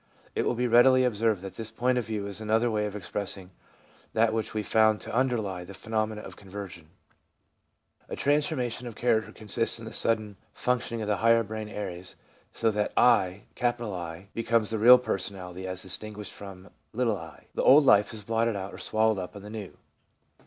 It will be readily observed that this point of view is another way of expressing that which we found to underlie the phenomenon of conversion. A transformation of character consists in the sudden func tioning of the higher brain areas, so that ' I ' becomes the real personality as distinguished from c i '; the old life is blotted out or swallowed up in the new.